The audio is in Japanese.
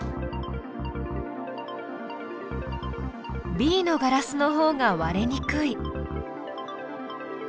Ｂのガラスのほうが割れにくい。